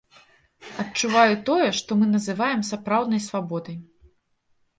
Адчуваю тое, што мы называем сапраўднай свабодай.